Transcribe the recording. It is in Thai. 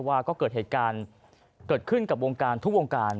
ว่าก็เกิดเหตุการณ์เกิดขึ้นกับวงการทุกวงการ